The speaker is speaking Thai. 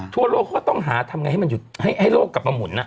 ทั่วโลกก็ต้องหาทำไงให้โรคกลับมาหมุน